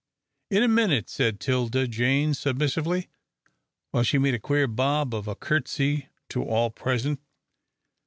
"In a minute," said 'Tilda Jane, submissively, while she made a queer bob of a curtsey to all present.